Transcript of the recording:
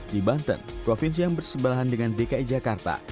di banten provinsi yang bersebelahan dengan dki jakarta